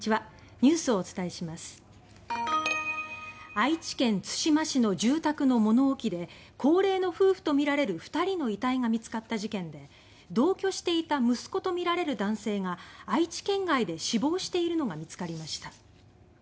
愛知県津島市の住宅の物置で高齢の夫婦とみられる２人の遺体が見つかった事件で同居していた息子とみられる男性が愛知県外で死亡しているのが見つかりました。